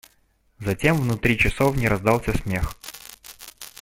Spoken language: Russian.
Затем внутри часовни раздался смех.